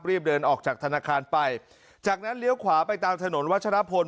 เดินออกจากธนาคารไปจากนั้นเลี้ยวขวาไปตามถนนวัชรพล